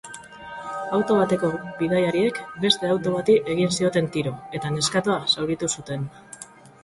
Auto bateko bidaiariek beste auto bati egin zioten tiro eta neskatoa zauritu zuten.